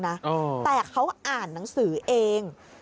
แต่เขาอ่านหนังสือเอง